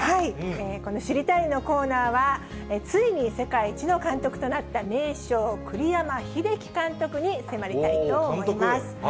この知りたいッ！のコーナーは、ついに世界一の監督となった名将、栗山英樹監督に迫りたいと思います。